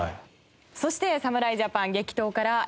そして侍ジャパン激闘から１カ月。